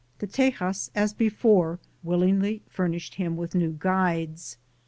The Teyas, as before, will ingly furnished him with new guides.